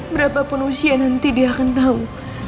berapapun usia nanti dia akan tahu